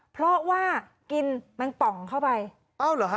เพราะว่ากินแมงป่องเข้าไปเอ้าเหรอฮะ